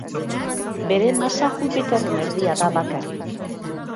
Bere masa Jupiterren erdia da bakarrik.